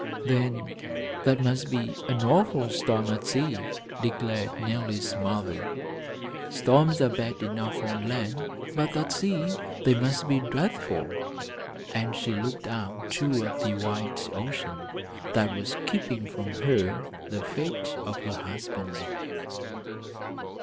"Then that must mean an awful storm at sea," reflected Nellie's mother. "Storms are bad enough on land, but at sea they must be dreadful!" And she looked out toward the wild ocean, that was keeping from her the fate of her husband.